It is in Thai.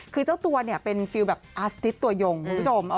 คือเจ้าตัวเนี่ยเป็นฟิลแบบอาสติสตัวยงคุณผู้ชม